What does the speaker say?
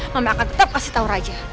mama akan tetap kasih tau raja